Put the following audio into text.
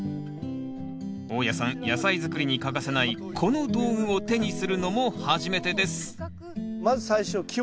大家さん野菜作りに欠かせないこの道具を手にするのも初めてですまず最初基本中の基本。